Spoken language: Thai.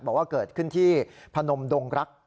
บอกว่าเกิดขึ้นที่พนมดงรัก